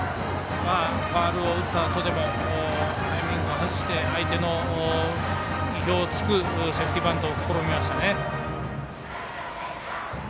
ファウルを打ったあとでもタイミングを外して相手の意表を突くセーフティーバントを試みましたね。